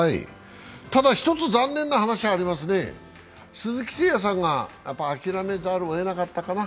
ただ１つ残念な話がありますね、鈴木誠也さんが諦めざるをえなかったかな。